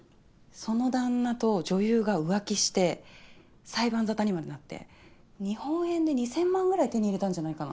その旦那と女優が浮気して裁判沙汰にまでなって日本円で２０００万ぐらい手に入れたんじゃないかな。